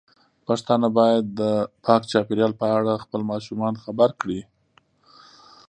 پښتانه بايد د پاک چاپیریال په اړه خپل ماشومان خبر کړي.